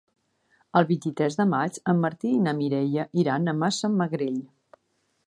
El vint-i-tres de maig en Martí i na Mireia iran a Massamagrell.